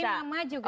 di nama juga bisa